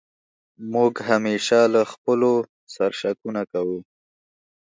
موږ همېشه له خپلو سر شکونه کوو.